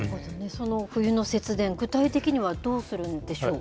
その冬の節電、具体的にはどうするんでしょう？